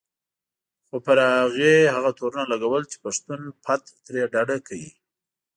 خو پر هغې هغه تورونه لګول چې پښتون پت ترې ډډه کوي.